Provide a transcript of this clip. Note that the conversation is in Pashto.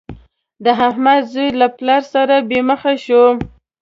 د احمد زوی له پلار سره بې مخه شو.